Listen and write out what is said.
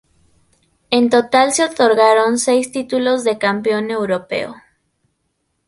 En total se otorgaron seis títulos de campeón europeo.